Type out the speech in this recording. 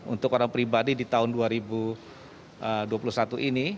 untuk orang pribadi di tahun dua ribu dua puluh satu ini